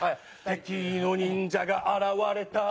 「敵の忍者が現れた」